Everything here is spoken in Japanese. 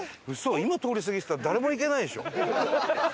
今通り過ぎてたら誰も行けないでしょ。